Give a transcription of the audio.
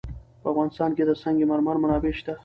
په افغانستان کې د سنگ مرمر منابع شته.